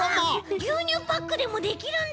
ぎゅうにゅうパックでもできるんだ！